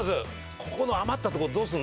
ここの余ったとこどうすんの？